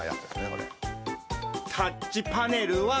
「タッチパネルは」